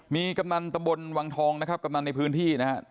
มีกำนันตำบลวังทองนะครับกำนันในพื้นที่นะครับ